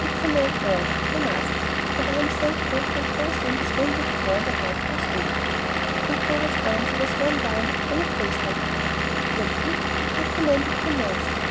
It's a mad world, my masters; and I'm thankful that Roslein is only four and a half years old." And Clover's answer was one line on a postal card, "Guilty, but recommended to mercy!"